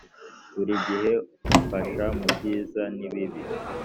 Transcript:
buri gihe umfasha mubyiza nibibi.